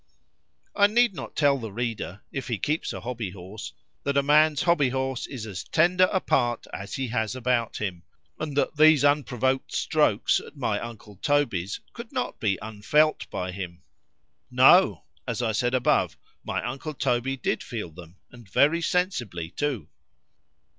_ I need not tell the reader, if he keeps a HOBBY HORSE,—that a man's HOBBY HORSE is as tender a part as he has about him; and that these unprovoked strokes at my uncle Toby's could not be unfelt by him.——No:——as I said above, my uncle Toby did feel them, and very sensibly too.